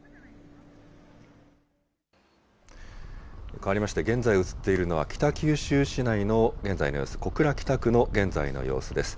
かわりまして、現在映っているのは北九州市内の現在の様子、小倉北区の現在の様子です。